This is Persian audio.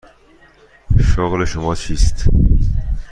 شغل شما چیست؟